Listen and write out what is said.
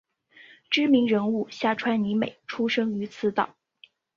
知名人物夏川里美出身于此岛。